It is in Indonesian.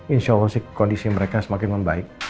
insya allah kondisi mereka semakin membaik